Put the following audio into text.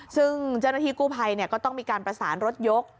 ซึ่งเจ้าหน้าที่กู้ภัยก็ต้องมีการประสานรถยก